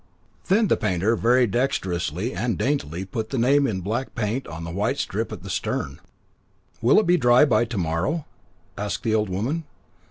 Then the painter very dexterously and daintily put the name in black paint on the white strip at the stern. "Will it be dry by to morrow?" asked the old woman.